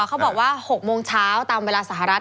เขาบอกว่า๖โมงเช้าตามเวลาสหรัฐ